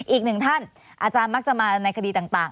อีกหนึ่งท่านอาจารย์มักจะมาในคดีต่าง